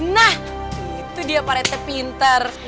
nah itu dia pak rete pinter